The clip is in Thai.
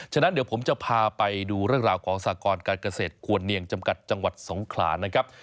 ฉะนั้นเดี๋ยวผมจะพาไปดูเรื่องราวของสากรการเกษตรควรเนียงจำกัดจังหวัดสงขลานะครับ